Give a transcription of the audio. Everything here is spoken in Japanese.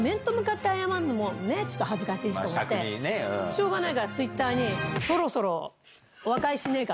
しょうがないからＴｗｉｔｔｅｒに。